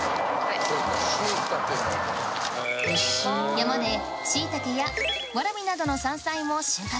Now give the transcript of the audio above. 山で椎茸やワラビなどの山菜も収穫